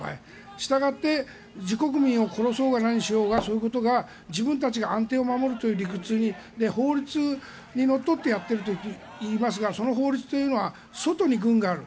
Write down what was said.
したがって自国民を殺そうが何しようがそういうことが自分たちが安定を守るという理屈に法律にのっとってやっているといいますがその法律は外に軍がある。